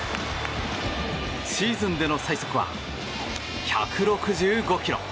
シーズンでの最速は１６５キロ。